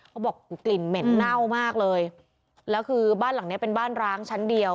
เขาบอกกลิ่นเหม็นเน่ามากเลยแล้วคือบ้านหลังเนี้ยเป็นบ้านร้างชั้นเดียว